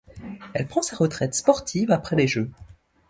Elle prend sa retraite sportive après les Jeux.